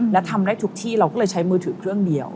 และทำได้ทุกที่เราก็เลยใช้มือถือเครื่องเดียว